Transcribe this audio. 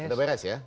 udah beres ya